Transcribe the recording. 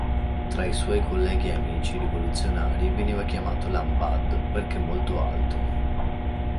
Tra i suoi colleghi e amici rivoluzionari veniva chiamato "Lambad" perché molto alto.